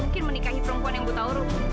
nggak bisa menikahi perempuan yang buta uruk